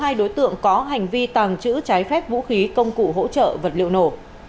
hai đối tượng có hành vi tàng trữ trái phép vũ khí công cụ hỗ trợ vật liệu nổ